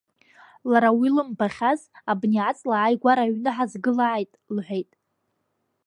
Лара уи лымбахьаз, абни аҵла ааигәара аҩны ҳазгылааит лҳәит.